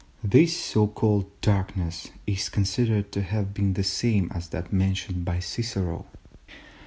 This so called darkness is considered to have been the same as that mentioned by Cicero.